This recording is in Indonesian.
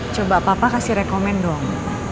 coba papa kasih rekomen dong